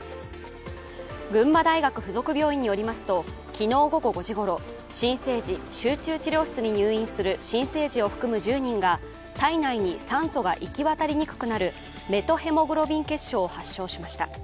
群馬大学付属病院によりますと、昨日午後５時頃新生児集中治療室に入院する新生児を含む１０人が体内に酸素が行き渡りにくくなるメトヘモグロビン血症を発症しました。